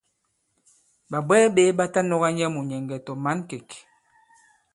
Ɓàbwɛɛ ɓē ɓa ta nɔ̄ga nyɛ mùnyɛ̀ŋgɛ̀ tɔ̀ mǎnkêk.